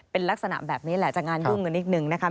เป็นลักษณะแบบนี้แหละจะงานยุ่งกันนิดนึงนะคะ